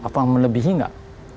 apa melebihi nggak